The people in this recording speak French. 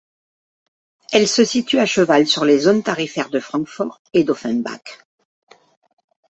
Elle se situe à cheval sur les zones tarifaires de Francfort et d'Offenbach.